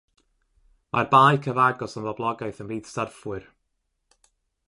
Mae'r bae cyfagos yn boblogaeth ymhlith syrffwyr.